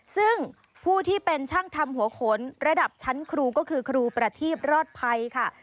ซึ่งผู้ที่เป็นช่างทำหัวขนระดับชั้นครูก็คือครูประทีพรอดภัยค่ะ